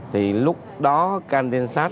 thì lúc đó can tiên sáng